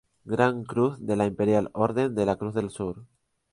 Gran Cruz de la Imperial Orden de la Cruz del Sur